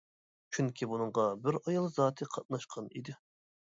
چۈنكى بۇنىڭغا بىر ئايال زاتى قاتناشقان ئىدى.